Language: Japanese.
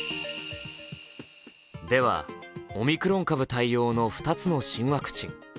ではオミクロン株対応の２つの新ワクチン。